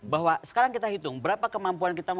bahwa sekarang kita hitung berapa kemampuan kita